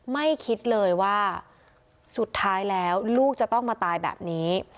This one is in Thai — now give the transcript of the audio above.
ไม่คิดเลยว่าสุดท้ายแล้วลูกจะต้องมาตายแบบนี้